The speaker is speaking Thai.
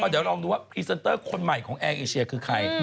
เดี๋ยวลองดูว่าพรีเซนเตอร์คนใหม่ของแอร์เอเชียคือใคร